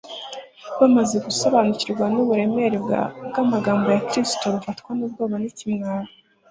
ese uriya mugore ni uwa nde